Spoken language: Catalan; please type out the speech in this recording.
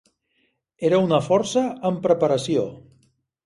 Era una força en preparació.